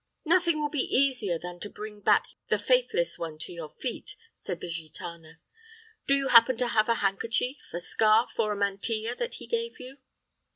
"Nothing will be easier than to bring back the faithless one to your feet!" said the gitana. "Do you happen to have a handkerchief, a scarf, or a mantilla, that he gave you?"